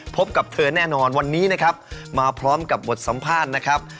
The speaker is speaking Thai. พบกับเธอแน่นอนวันนี้นะครับมาพร้อมกับบทสัมภาษณ์นะครับ